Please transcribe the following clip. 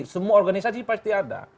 semua organisasi pasti ada